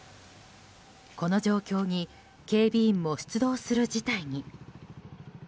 この状況に警備員も出動する事態に。